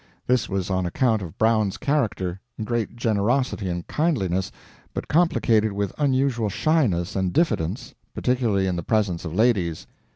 This was on account of Brown's character great generosity and kindliness, but complicated with unusual shyness and diffidence, particularly in the presence of ladies.